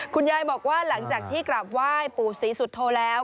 คุณยายบอกว่าหลังจากที่กราบไหว้ปู่ศรีสุโธแล้ว